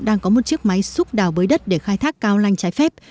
đang có một chiếc máy xúc đào bới đất để khai thác cao lanh trái phép